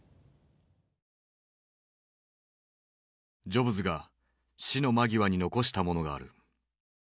ジョブズが死の間際に残したものがある。